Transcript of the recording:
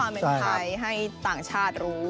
ให้ปริเซนต์ความเป็นไทยให้ต่างชาติรู้